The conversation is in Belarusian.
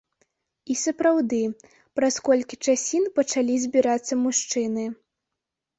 І сапраўды, праз колькі часін пачалі збірацца мужчыны.